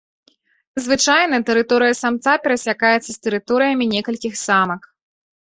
Звычайна тэрыторыя самца перасякаецца з тэрыторыямі некалькіх самак.